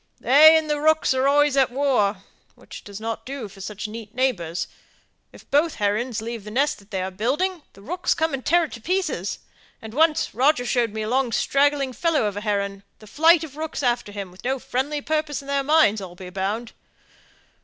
"They and the rooks are always at war, which doesn't do for such near neighbours. If both herons leave the nest they are building, the rooks come and tear it to pieces; and once Roger showed me a long straggling fellow of a heron, with a flight of rooks after him, with no friendly purpose in their minds, I'll be bound.